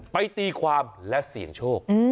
ตีความและเสี่ยงโชค